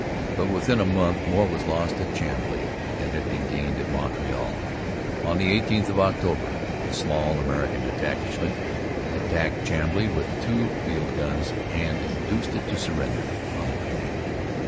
But within a month more was lost at Chambly than had been gained at Montreal. On the 18th of October a small American detachment attacked Chambly with two little field guns and induced it to surrender on the 20th.